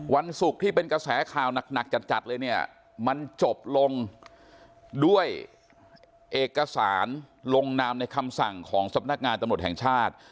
วันศุกร์ที่เป็นกระแสข่าวหนักจัดเลยเนี่ยมันจบลงด้วยเอกสารลงนามในคำสั่งของสำนักงานตำรวจแห่งชาติ